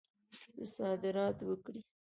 چې صادرات وکړي.